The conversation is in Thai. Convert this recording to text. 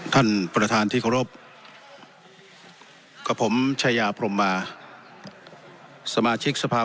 ท่านประธานที่เคารพกับผมชายาพรมมาสมาชิกสภาพ